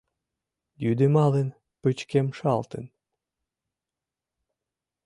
Йӱдемалын, пычкемшалтын